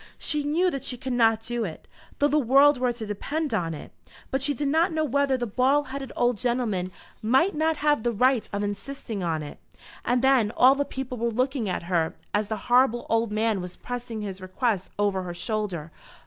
She knew that she could not do it, though the world were to depend upon it; but she did not know whether the bald headed old gentleman might not have the right of insisting on it. And then all the people were looking at her as the horrible old man was pressing his request over her shoulder.